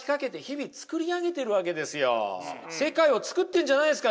世界をつくってんじゃないですか？